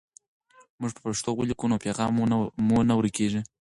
موږ په پښتو ولیکو نو پیغام مو نه ورکېږي.